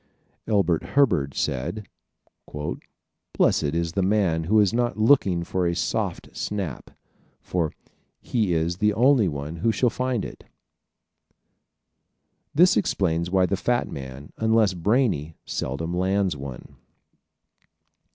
Elbert Hubbard said, "Blessed is the man who is not looking for a soft snap, for he is the only one who shall find it." This explains why the fat man, unless brainy, seldom lands one.